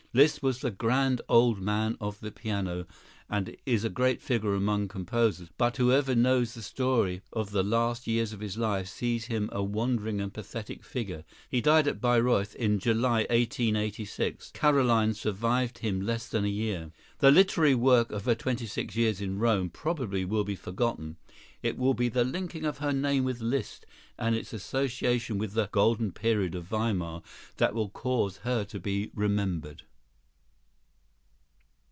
Liszt was the "grand old man" of the piano, and is a great figure among composers; but whoever knows the story of the last years of his life, sees him a wandering and pathetic figure. He died at Bayreuth in July, 1886; Carolyne survived him less than a year. The literary work of her twenty six years in Rome probably will be forgotten; it will be the linking of her name with Liszt, and its association with the "golden period" of Weimar, that will cause her to be remembered.